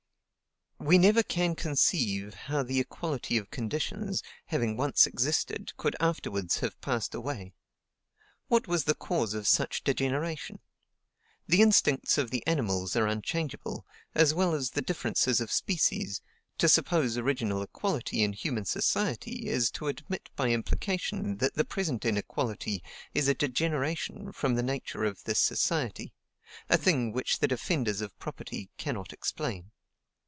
We never can conceive how the equality of conditions, having once existed, could afterwards have passed away. What was the cause of such degeneration? The instincts of the animals are unchangeable, as well as the differences of species; to suppose original equality in human society is to admit by implication that the present inequality is a degeneration from the nature of this society, a thing which the defenders of property cannot explain.